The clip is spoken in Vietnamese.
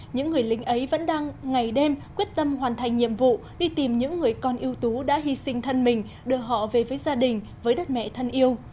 những người lính ấy vẫn đang ngày đêm quyết tâm hoàn thành nhiệm vụ đi tìm những người con yêu tú đã hy sinh thân mình đưa họ về với gia đình với đất mẹ thân yêu